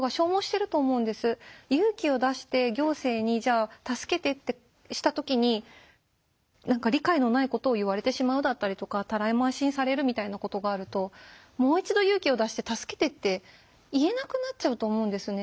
勇気を出して行政にじゃあ助けてってした時に何か理解のないことを言われてしまうだったりとかたらい回しにされるみたいなことがあるともう一度勇気を出して助けてって言えなくなっちゃうと思うんですね。